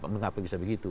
mengapa bisa begitu